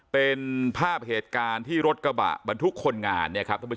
เป็นภาพเหตุการณ์ที่รถกระบะวันทุกคนงาน